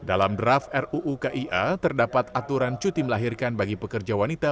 dalam draft ruu kia terdapat aturan cuti melahirkan bagi pekerja wanita